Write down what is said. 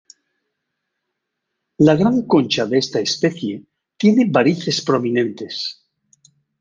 La gran concha de esta especie tiene varices prominentes.